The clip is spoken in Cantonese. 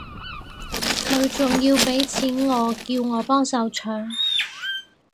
佢仲要畀錢我叫我幫手搶